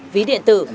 ví điện tử